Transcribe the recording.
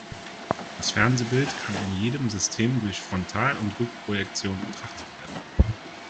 Das Fernsehbild kann in jedem System durch Frontal- und Rückprojektion betrachtet werden.